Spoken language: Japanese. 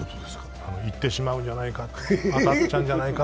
行ってしまうんじゃないか、当たってしまうんじゃないか。